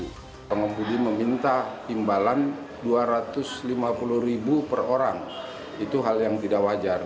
kalau pengembudi meminta imbalan dua ratus lima puluh ribu per orang itu hal yang tidak wajar